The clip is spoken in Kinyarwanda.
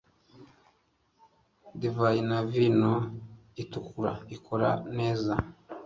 Divayi na vino itukura ikora neza.